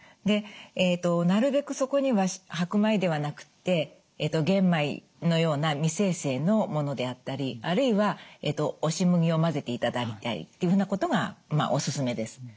でなるべくそこには白米ではなくって玄米のような未精製のものであったりあるいは押し麦を混ぜていただいたりっていうふうなことがおすすめです。